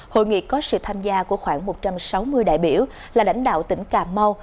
hội nghị có sự tham gia của khoảng một trăm sáu mươi đại biểu là lãnh đạo tỉnh cà mau